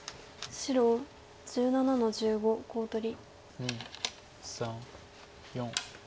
黒１８の十五コウ取り。